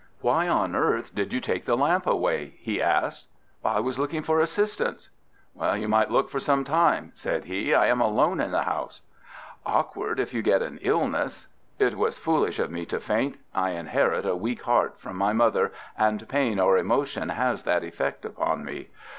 "Why on earth did you take the lamp away?" he asked. "I was looking for assistance." "You might look for some time," said he. "I am alone in the house." "Awkward if you get an illness." "It was foolish of me to faint. I inherit a weak heart from my mother, and pain or emotion has that effect upon me.